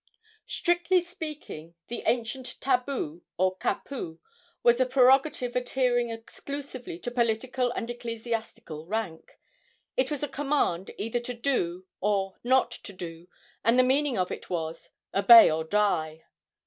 Strictly speaking, the ancient tabu, or kapu, was a prerogative adhering exclusively to political and ecclesiastical rank. It was a command either to do or not to do, and the meaning of it was, "Obey or die."